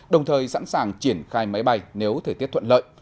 đồng thời sẵn sàng triển khai máy bay nếu thời tiết thuận lợi